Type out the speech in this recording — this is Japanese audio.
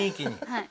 はい。